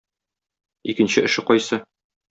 Икенче эше кайсы?